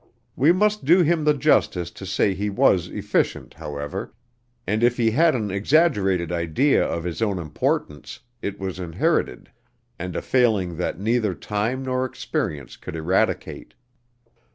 We must do him the justice to say he was efficient, however, and if he had an exaggerated idea of his own importance, it was inherited, and a failing that neither time nor experience could eradicate.